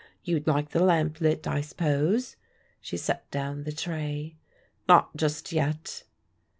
You'd like the lamp lit, I suppose?" She set down the tray. "Not just yet."